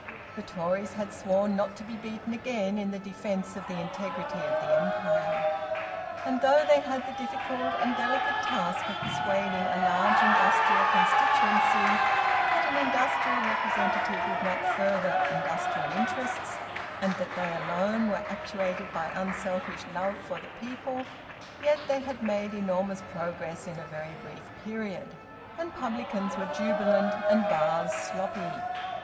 The Tories had sworn not to be beaten again in the defence of the integrity of the Empire. And though they had the difficult and delicate task of persuading a large industrial constituency that an industrial representative would not further industrial interests, and that they alone were actuated by unselfish love for the people, yet they had made enormous progress in a very brief period, and publicans were jubilant and bars sloppy.